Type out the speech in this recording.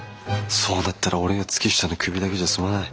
そうなったら俺や月下のクビだけじゃ済まない。